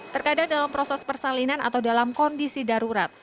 terkadang dalam proses persalinan atau dalam kondisi darurat